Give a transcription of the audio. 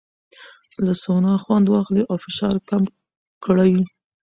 له سونا خوند واخلئ او فشار کم کړئ.